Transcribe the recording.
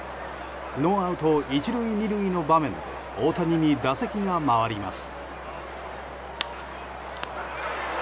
ノーアウト１塁２塁の場面で大谷に打席が回ります。